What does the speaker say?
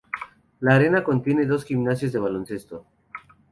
La arena contiene dos gimnasios de baloncesto.